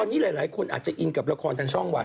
ตอนนี้หลายคนอาจจะอินกับละครทางช่องวัน